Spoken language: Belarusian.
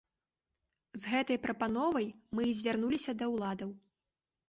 З гэтай прапановай мы і звярнуліся да ўладаў.